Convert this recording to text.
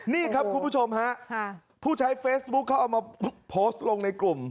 นี่ครับคุณผู้ชมฮะผู้ใช้เฟซบุ๊คเขาเอามาโพสต์ลงในกลุ่ม